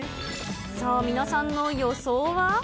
さあ、皆さんの予想は。